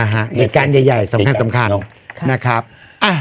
เหตุการณ์ใหญ่สำคัญ